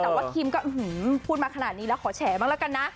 แต่ว่าคิมก็พูดมาขนาดนี้แล้วขอแฉบ้างแล้วกันนะ